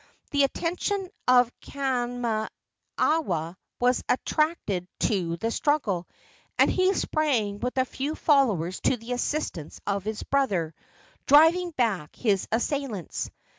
The attention of Kamanawa was attracted to the struggle, and he sprang with a few followers to the assistance of his brother, driving back his assailants.